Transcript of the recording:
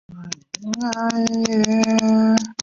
化验毛囊虫或皮肤切片比起患部外观更有助于诊断。